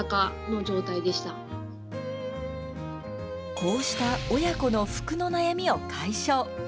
こうした親子の服の悩みを解消。